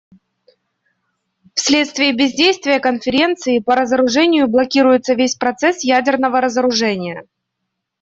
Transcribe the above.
Вследствие бездействия Конференции по разоружению блокируется весь процесс ядерного разоружения.